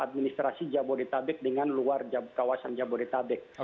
administrasi jabodetabek dengan luar kawasan jabodetabek